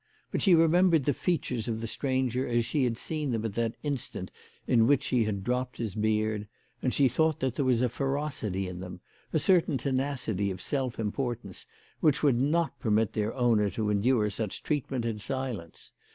But she remembered the features of the stranger as she had seen them at that instant in which she had dropped his beard, and she thought that there was a ferocity in them, a certain tenacity of self importance, which would not permit their owner to endure such treatment in silence.